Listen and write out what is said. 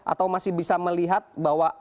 atau masih bisa melihat bahwa